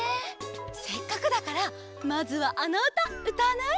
せっかくだからまずはあのうたうたわない？